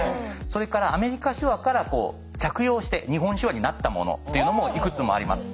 それからアメリカ手話から借用して日本手話になったものっていうのもいくつもあります。